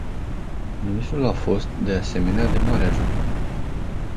Ministrul a fost, de asemenea, de mare ajutor.